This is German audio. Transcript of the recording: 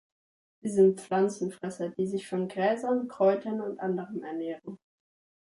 Sie sind Pflanzenfresser, die sich von Gräsern, Kräutern und anderem ernähren.